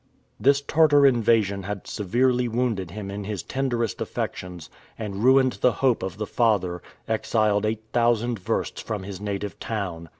This Tartar invasion had severely wounded him in his tenderest affections, and ruined the hope of the father, exiled eight thousand versts from his native town.